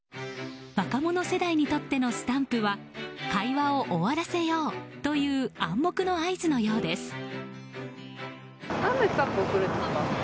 若者世代にとってのスタンプは会話を終わらせようという暗黙の合図のようです。